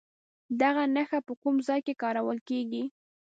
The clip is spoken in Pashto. دغه نښه په کوم ځای کې کارول کیږي؟